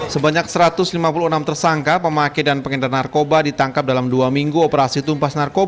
sebanyak satu ratus lima puluh enam tersangka pemakai dan pengendar narkoba ditangkap dalam dua minggu operasi tumpas narkoba